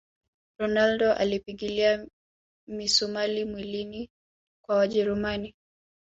ronaldo alipigilia misumali miwili kwa wajerumani